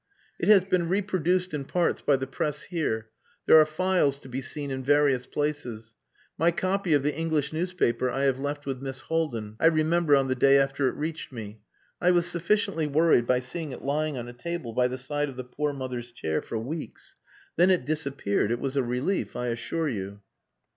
"It has been reproduced in parts by the Press here. There are files to be seen in various places. My copy of the English newspaper I have left with Miss Haldin, I remember, on the day after it reached me. I was sufficiently worried by seeing it lying on a table by the side of the poor mother's chair for weeks. Then it disappeared. It was a relief, I assure you."